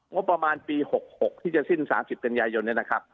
งบประมาณปี๖๖ที่จะสิ้น๓๐กันยายนเนี่ยนะครับ